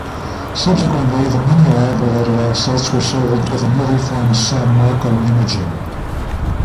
Subsequently, the minilab related assets were sold to the newly formed San Marco Imaging.